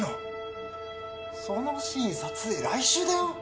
そのシーン撮影来週だよ？